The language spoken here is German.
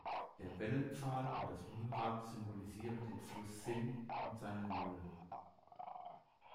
Der Wellenpfahl und das Mühlrad symbolisieren den Fluss Sinn mit seinen Mühlen.